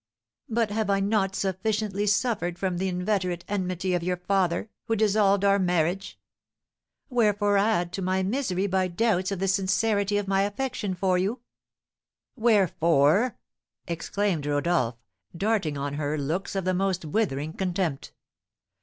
"But have I not sufficiently suffered from the inveterate enmity of your father, who dissolved our marriage? Wherefore add to my misery by doubts of the sincerity of my affection for you?" "Wherefore?" exclaimed Rodolph, darting on her looks of the most withering contempt.